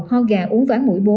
ho gà uống ván mũi bốn